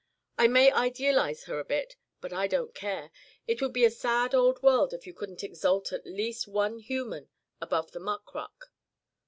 I may idealise her a bit, but I don't care. It would be a sad old world if you couldn't exalt at least one human above the muck ruck.